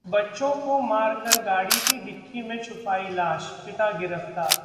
बच्चों को मार कर गाड़ी की डिक्की में छुपाई लाश, पिता गिरफ्तार